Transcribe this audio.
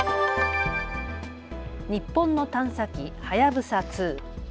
日本の探査機、はやぶさ２。